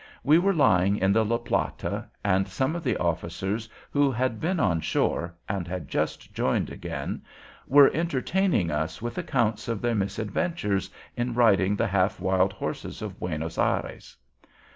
We were lying in the La Plata, and some of the officers, who had been on shore and had just joined again, were entertaining us with accounts of their misadventures in riding the half wild horses of Buenos Ayres.